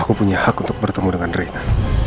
saya punya hak untuk bertemu dengan reina